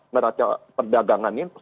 meraca perdagangan ini